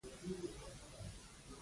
پر ګټه و تاوان درسره ولاړ دی.